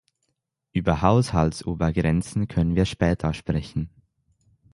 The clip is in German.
Über Haushaltsobergrenzen können wir später sprechen.